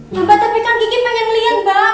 ya mbak tapi kan gigi pengen liat mbak